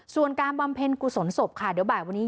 ส่วนการบำเพ็ญกุศลศพค่ะเดี๋ยวบ่ายวันนี้